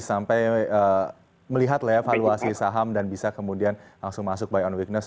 sampai melihat evaluasi saham dan bisa kemudian langsung masuk by own witness